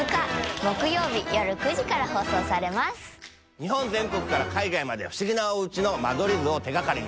日本全国から海外まで垰弋弔おうちの間取り図を手がかりに。